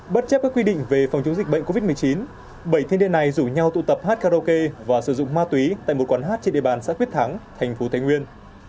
bất chấp các quy định về phòng chống dịch bệnh covid một mươi chín bảy thanh niên này rủ nhau tụ tập hát karaoke và sử dụng ma túy tại một quán hát trên địa bàn xã quyết thắng thành phố thái nguyên